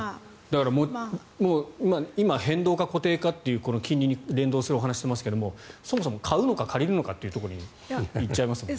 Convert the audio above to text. だから今、変動か固定かという金利に連動するお話をしていますがそもそも買うのか借りるのかというところに行っちゃいますよね。